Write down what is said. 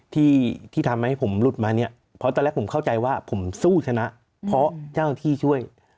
ที่ที่ทำให้ผมหลุดมาเนี่ยเพราะตอนแรกผมเข้าใจว่าผมสู้ชนะเพราะเจ้าหน้าที่ช่วย